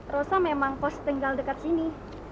rosa memang pos tinggal dekat sini